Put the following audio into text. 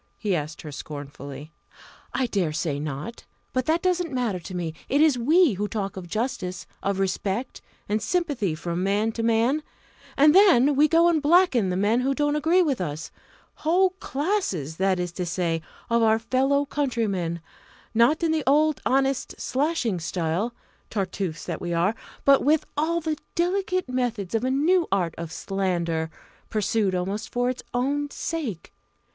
he asked her scornfully. "I dare say not. But that doesn't matter to me! it is we who talk of justice, of respect, and sympathy from man to man, and then we go and blacken the men who don't agree with us whole classes, that is to say, of our fellow countrymen, not in the old honest slashing style, Tartuffes that we are! but with all the delicate methods of a new art of slander, pursued almost for its own sake.